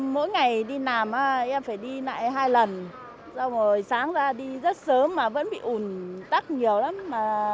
mỗi ngày đi làm em phải đi lại hai lần rồi sáng ra đi rất sớm mà vẫn bị ủn tắc nhiều lắm